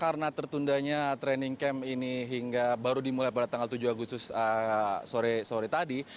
karena tertundanya training camp ini baru dimulai pada tanggal tujuh agustus sore tadi